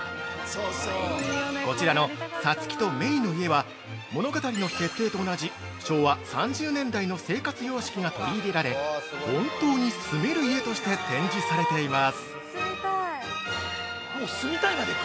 こちらの「サツキとメイの家」は物語の設定と同じ昭和３０年代の生活様式が取り入れられ本当に住める家として展示されています。